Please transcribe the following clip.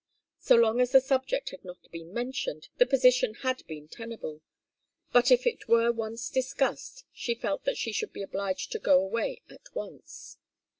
So long as the subject had not been mentioned the position had been tenable, but if it were once discussed, she felt that she should be obliged to go away at once.